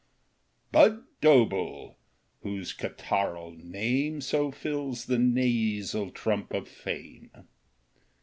? Budd Doble, whose catarrhal name So fills the nasal trump of fame.